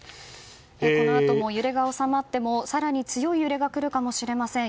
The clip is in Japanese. このあとも揺れが収まっても更に強い揺れがくるかもしれません。